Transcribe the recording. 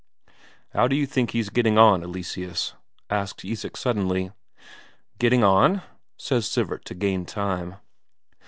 "How d'you think he's getting on, Eleseus?" asks Isak suddenly. "Getting on?" says Sivert, to gain time.